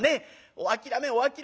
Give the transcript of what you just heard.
お諦めお諦め」。